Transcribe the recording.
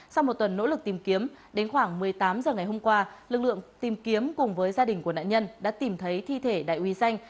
sau một tuần nỗ lực tìm kiếm đến khoảng một mươi tám h ngày hôm qua lực lượng tìm kiếm cùng với gia đình của nạn nhân đã tìm thấy thi thể đại úy danh